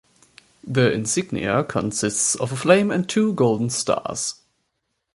The insignia consists of a flame and two golden stars.